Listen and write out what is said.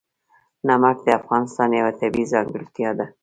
نمک د افغانستان یوه طبیعي ځانګړتیا ده.